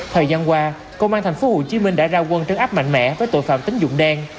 thời gian qua công an tp hcm đã ra quân trấn áp mạnh mẽ với tội phạm tính dụng đen